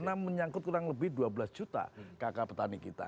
karena menyangkut kurang lebih dua belas juta kakak petani kita